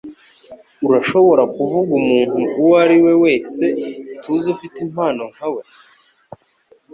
Urashobora kuvuga umuntu uwo ari we wese tuzi ufite impano nka we?